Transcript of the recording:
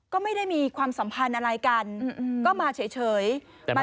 ก็ไม่ได้มีความสัมภัณฑ์อะไรกันก็มาเฉยอืออออ